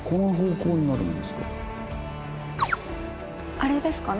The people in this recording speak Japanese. あれですかね。